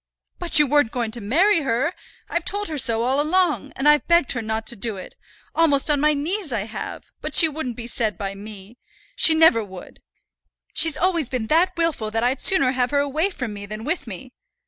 "But you weren't going to marry her. I've told her so all along, and I've begged her not to do it, almost on my knees I have; but she wouldn't be said by me. She never would. She's always been that wilful that I'd sooner have her away from me than with me.